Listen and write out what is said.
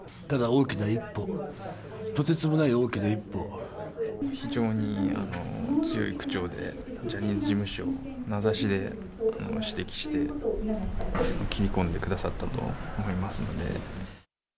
ただ大きな一歩、非常に強い口調で、ジャニーズ事務所を名指しで指摘して、切り込んでくださったと思いますので。